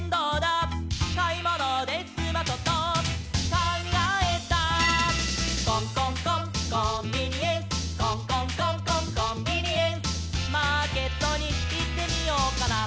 「かいものですまそとかんがえた」「コンコンコンコンビニエンス」「コンコンコンコンコンビニエンス」「マーケットにいってみようかな」